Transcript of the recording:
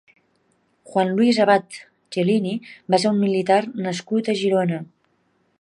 Juan Luis Abad Cellini va ser un militar nascut a Girona.